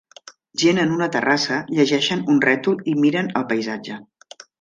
Gent en una terrassa llegeixen un rètol i miren el paisatge